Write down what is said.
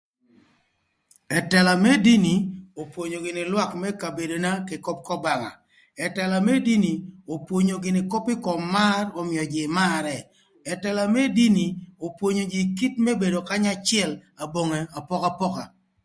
Ëtëla më dïnï opwonyo gïnï lwak më kabedona kï köp k'Obanga, ëtëla më dini opwonyo gïnï köp ï kom mar ömïö jïï marë, ëtëla më dini opwonyo jïï ï kit më bedo kanya acël aböngë apokapoka